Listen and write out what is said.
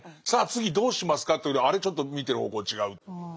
次どうしますかというとあれちょっと見てる方向違う。